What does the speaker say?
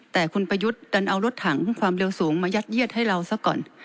แต่คุณประยุทธ์ดันเอารถถังความเร็วสูงมายัดเยียดให้เราซะก่อน